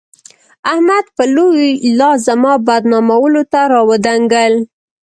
احمد به لوی لاس زما بدنامولو ته راودانګل.